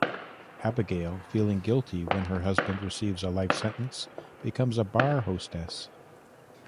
Abigail, feeling guilty when her husband receives a life sentence, becomes a bar hostess.